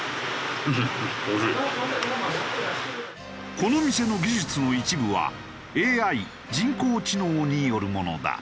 この店の技術の一部はＡＩ・人工知能によるものだ。